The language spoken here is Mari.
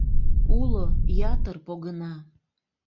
Уло, ятыр погына.